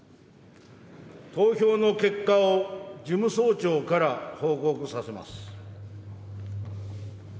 投票の結果を事務総長から報告させます。